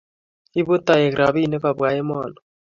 Ibu toek robinik kobwa emoni